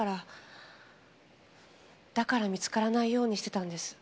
だから見つからないようにしてたんです。